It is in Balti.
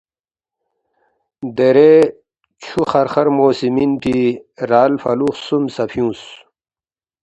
دیرے چھُو خرخرمو سی مِنفی رال فلُو خسُوم سہ فیُونگس